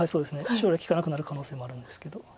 将来利かなくなる可能性もあるんですけど。